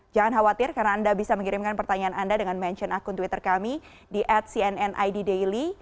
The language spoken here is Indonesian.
jangan khawatir karena anda bisa mengirimkan pertanyaan anda dengan mention akun twitter kami di atcnniddaily